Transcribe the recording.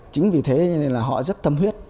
chính vì thế nên là họ rất tâm huyết